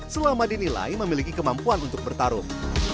selama dinilai memiliki kemampuan untuk bertarung